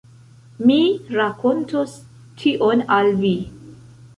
Mi rakontos tion al vi.